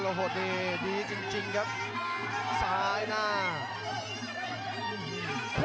ประโยชน์ทอตอร์จานแสนชัยกับยานิลลาลีนี่ครับ